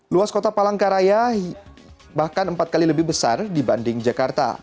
luas kota palangkaraya bahkan empat kali lebih besar dibanding jakarta